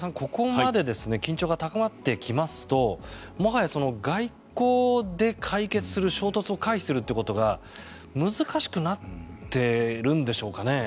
太田さん、ここまで緊張が高まってきますと外交で解決する衝突を回避することが難しくなっているんでしょうか。